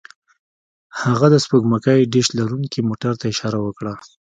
هغه د سپوږمکۍ ډیش لرونکي موټر ته اشاره وکړه